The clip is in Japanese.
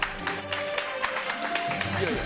いやいや。